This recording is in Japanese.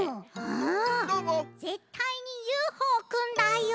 ぜったいにＵＦＯくんだよ！